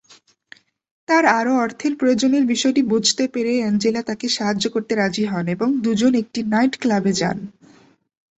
তাঁর আরও অর্থের প্রয়োজনের বিষয়টি বুঝতে পেরে অ্যাঞ্জেলা তাকে সাহায্য করতে রাজি হন এবং দুজন একটি নাইট ক্লাবে যান।